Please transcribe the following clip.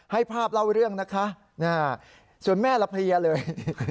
ให้ภาพเล่าเรื่องนะคะส่วนแม่ละเพลียเลย